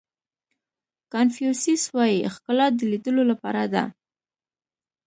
کانفیو سیس وایي ښکلا د لیدلو لپاره ده.